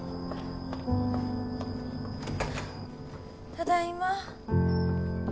ただいま。